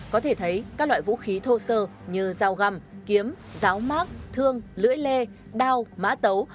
có thể thấy các loại vũ khí thô sơ như dao găm kiếm giáo mát thương lưỡi lê đao mã tấu